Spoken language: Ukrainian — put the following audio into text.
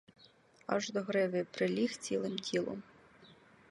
Аж до гриви приліг цілим тілом.